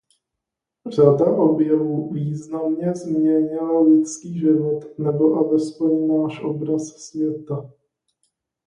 Řada objevů významně změnila lidský život nebo alespoň náš obraz světa.